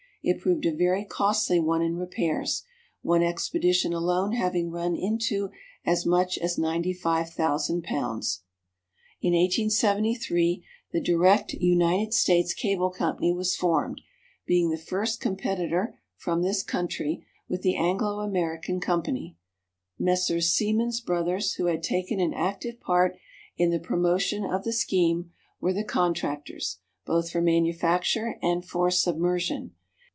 It proved a very costly one in repairs, one expedition alone having run into as much as £95,000. In 1873 the Direct United States Cable Company was formed, being the first competitor from this country with the "Anglo American" Company. Messrs. Siemens Brothers, who had taken an active part in the promotion of the scheme, were the contractors, both for manufacture and for submersion.